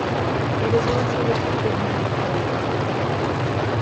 It is also located near the Borough Hall.